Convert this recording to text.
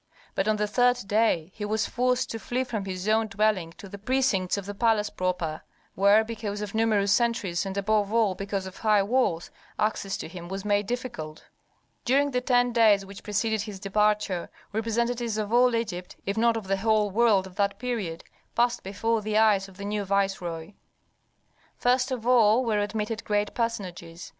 But on the third day he was forced to flee from his own dwelling to the precincts of the palace proper, where, because of numerous sentries and above all because of high walls, access to him was made difficult. During the ten days which preceded his departure, representatives of all Egypt, if not of the whole world of that period, passed before the eyes of the new viceroy. First of all were admitted great personages.